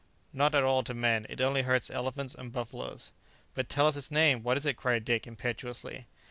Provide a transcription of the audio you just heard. "Not at all to men; it only hurts elephants and buffaloes." "But tell us its name! what is it?" cried Dick impetuously.